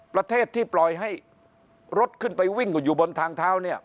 ประเทศที่ปล่อยให้รถขึ้นไปวิ่งอยู่บนทางเท้าเนี่ย